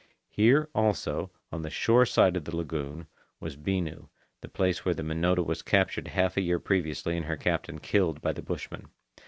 Here, also, on the shore side of the lagoon, was Binu, the place where the Minota was captured half a year previously and her captain killed by the bushmen.